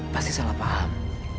pasti salah paham